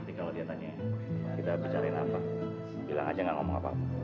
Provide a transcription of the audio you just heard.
nanti kalau dia tanya kita bicarain apa bilang aja gak ngomong apa apa